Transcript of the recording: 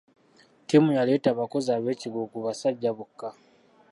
Ttiimu yaleeta abakozi abeekikugu basajja bokka.